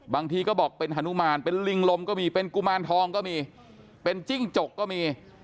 บางทีก็บอกเป็นฮานุมานเป็นลิงลมก็มีเป็นกุมารทองก็มีเป็นจิ้งจกก็มี